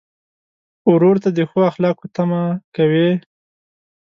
ورور ته د ښو اخلاقو تمه کوې.